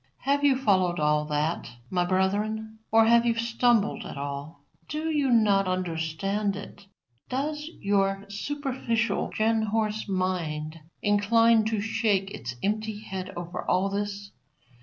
'" Have you followed all that, my brethren? Or have you stumbled at it? Do you not understand it? Does your superficial gin horse mind incline to shake its empty head over all this?